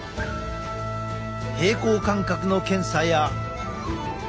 平衡感覚の検査や。